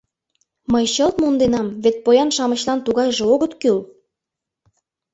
— Мый чылт монденам, вет поян-шамычлан тугайже огыт кӱл.